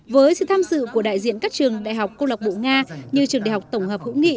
với sự tham dự của đại diện các trường đại học cô lạc bộ nga như trường đại học tổng hợp hữu nghị